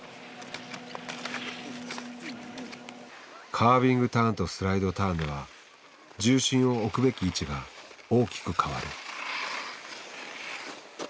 カービングターンとスライドターンでは重心を置くべき位置が大きく変わる。